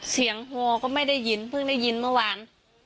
เสียงฮอก็ไม่ได้ยินเพิ่งได้ยินเมื่อวาน